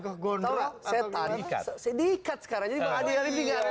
jadi mengandalkan di antara lainnya